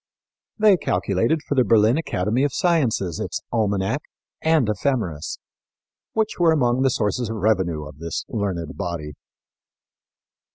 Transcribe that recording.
They calculated for the Berlin Academy of Sciences its Almanac and Ephemeris, which were among the sources of revenue of this learned body.